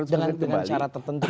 dengan cara tertentu